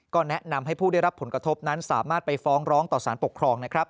ก็แนะนำให้ผู้ได้รับผลกระทบนั้นสามารถไปฟ้องร้องต่อสารปกครองนะครับ